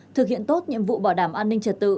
thực hiện tốt nhiệm vụ bảo đảm an ninh trật tự